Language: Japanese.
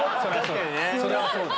それはそうだ。